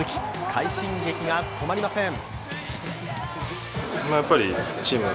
快進撃が止まりません。